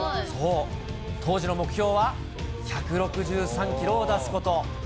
当時の目標は１６３キロを出すこと。